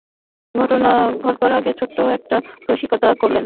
ঘটনাটা ঘটাবার আগে ছোট্ট একটা রসিকতা করলেন।